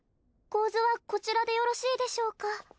構図はこちらでよろしいでしょうか？